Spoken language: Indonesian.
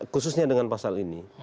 khususnya dengan pasal ini